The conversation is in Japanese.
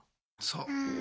そう。